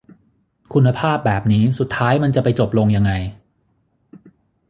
คุณภาพแบบนี้สุดท้ายมันจะไปจบลงยังไง